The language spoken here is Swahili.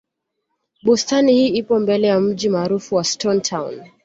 bustani hii ipo mbele ya mji maarufu wa stone town